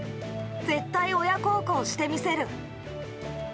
絶対親孝行して見せる。